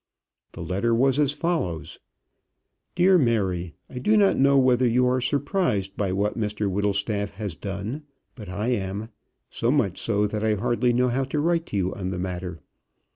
The letter was as follows: DEAR MARY, I do not know whether you are surprised by what Mr Whittlestaff has done; but I am, so much so that I hardly know how to write to you on the matter.